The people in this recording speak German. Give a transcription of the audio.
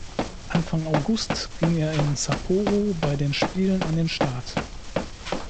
Anfang August ging er in Sapporo bei den Spielen an den Start.